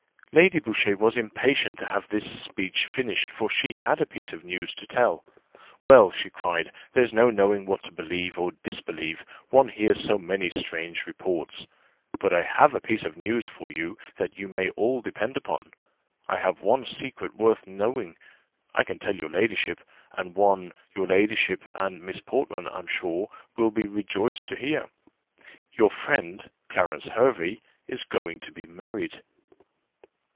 Lady Boucher was impatient to have this speech finished, for she had a piece of news to tell. "Well!" cried she, "there's no knowing what to believe or disbelieve, one hears so many strange reports; but I have a piece of news for you, that you may all depend upon. I have one secret worth knowing, I can tell your ladyship and one, your ladyship and Miss Portman, I'm sure, will be rejoiced to hear. Your friend, Clarence Hervey, is going to be married."